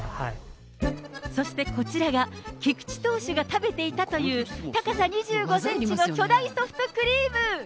そしてこちらが、菊池投手が食べていたという、高さ２５センチの巨大ソフトクリーム。